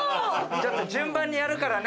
ちょっと順番にやるからね。